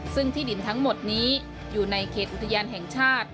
ซึ่งที่ดินทั้งหมดนี้อยู่ในเขตอุทยานแห่งชาติ